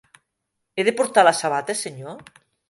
He de portar la sabata, senyor?